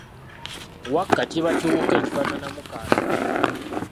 Wakka kiba kiwuka ekifaananamu kaasa.